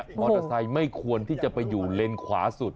มอเตอร์ไซค์ไม่ควรที่จะไปอยู่เลนขวาสุด